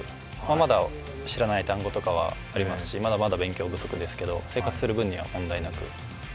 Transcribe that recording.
まだ知らない単語とかはありますしまだまだ勉強不足ですけど、生活する分には問題なく。